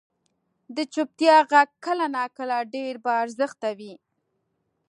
• د چپتیا ږغ کله ناکله ډېر با ارزښته وي.